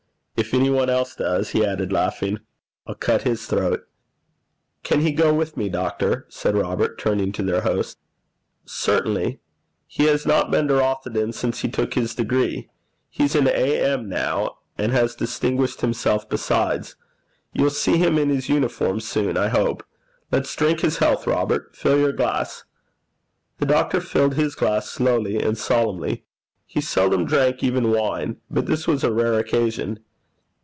If any one else does,' he added, laughing, 'I'll cut his throat.' 'Can he go with me, doctor?' asked Robert, turning to their host. 'Certainly. He has not been to Rothieden since he took his degree. He's an A.M. now, and has distinguished himself besides. You'll see him in his uniform soon, I hope. Let's drink his health, Robert. Fill your glass.' The doctor filled his glass slowly and solemnly. He seldom drank even wine, but this was a rare occasion.